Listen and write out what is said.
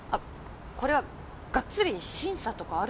これはがっつり審査とかある感じか。